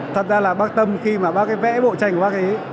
thật ra là bác tâm khi mà bác ấy vẽ bộ tranh của bác ấy